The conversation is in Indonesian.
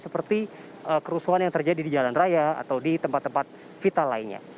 seperti kerusuhan yang terjadi di jalan raya atau di tempat tempat vital lainnya